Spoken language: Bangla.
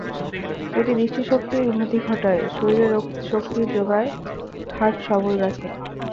এটি দৃষ্টিশক্তির উন্নতি ঘটায়, শরীরে শক্তি যোগায়, হার্ট সবল রাখে।